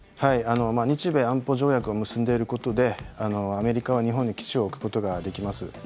日米安保条約を結んでいることでアメリカは日本に基地を置くことができます。